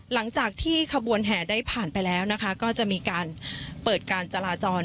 หลังจากที่ขบวนแห่ได้ผ่านไปแล้วนะคะก็จะมีการเปิดการจราจร